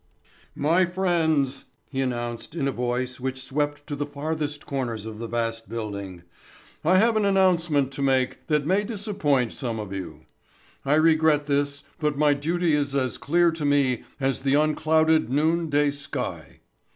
"My friends," he announced in a voice which swept to the farthest corners of the vast building, "I have an announcement to make that may disappoint some of you. I regret this but my duty is as clear to me as the unclouded noon day sky.